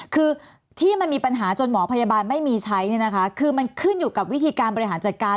คือที่มันมีปัญหาจนหมอพยาบาลไม่มีใช้คือมันขึ้นอยู่กับวิธีการบริหารจัดการ